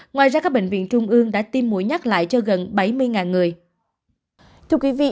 ngoài ra các bệnh viện trung ương đã tiêm mũi nhắc lại cho gần bảy mươi người